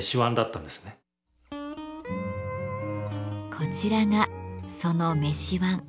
こちらがその飯椀。